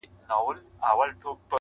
دا کيسه غميزه انځوروي,